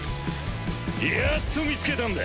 やっと見つけたんだ。